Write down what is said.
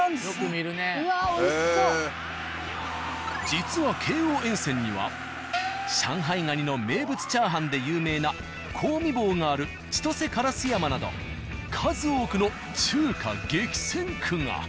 実は京王沿線には上海蟹の名物チャーハンで有名な「広味坊」がある千歳烏山など数多くの中華激戦区が。